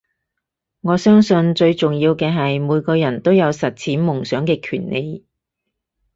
我相信最重要嘅係每個人都有實踐夢想嘅權利